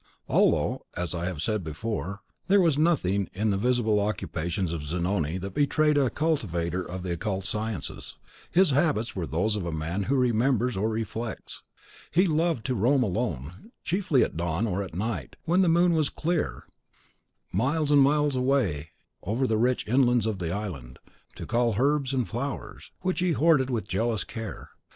Although, as I have before said, there was nothing in the visible occupations of Zanoni that betrayed a cultivator of the occult sciences, his habits were those of a man who remembers or reflects. He loved to roam alone, chiefly at dawn, or at night, when the moon was clear (especially in each month, at its rise and full), miles and miles away over the rich inlands of the island, and to cull herbs and flowers, which he hoarded with jealous care.